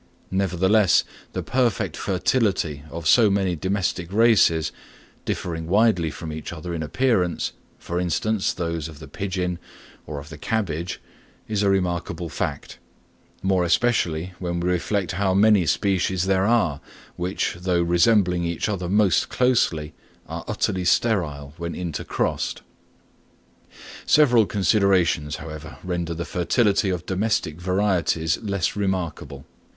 Nevertheless the perfect fertility of so many domestic races, differing widely from each other in appearance, for instance, those of the pigeon, or of the cabbage, is a remarkable fact; more especially when we reflect how many species there are, which, though resembling each other most closely, are utterly sterile when intercrossed. Several considerations, however, render the fertility of domestic varieties less remarkable.